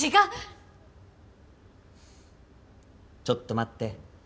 ちょっと待って。